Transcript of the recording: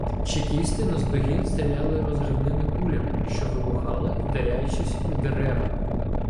Чекісти наздогін стріляли розривними кулями, що вибухали, вдаряючись у дерева.